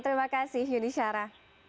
terima kasih yuni syara